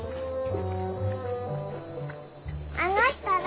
あの人誰？